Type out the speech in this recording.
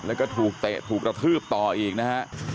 แล้วก็ถูกเตะถูกกระทืบต่ออีกนะฮะ